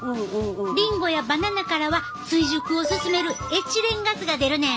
リンゴやバナナからは追熟を進めるエチレンガスが出るねん。